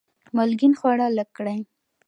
مالګین خواړه لږ کړئ.